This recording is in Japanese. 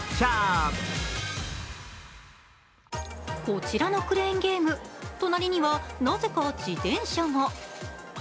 こちらのクレーンゲーム隣にはなぜか自転車が。